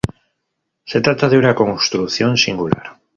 Se trata de una construcción singular.